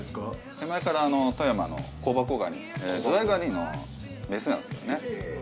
手前から富山の香箱がにズワイガニのメスなんですけどね